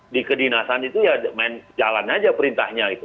di kedinasan itu ya main jalan aja perintahnya gitu